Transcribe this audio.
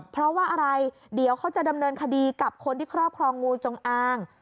เพราะว่าอะไรเดี๋ยวเขาจะดำเนินคดีกับคนที่ครอบครองงูจงอาง